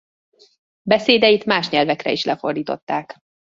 Beszédeit más nyelvekre is lefordították.